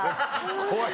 怖い。